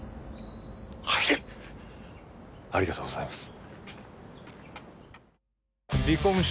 入れありがとうございます